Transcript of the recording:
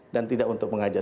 dan tidak untuk mengajak